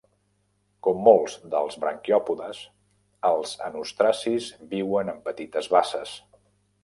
Com molts dels branquiòpodes, els anostracis viuen en petites basses.